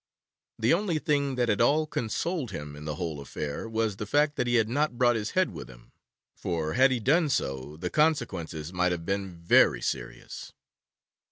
The only thing that at all consoled him in the whole affair was the fact that he had not brought his head with him, for, had he done so, the consequences might have been very serious.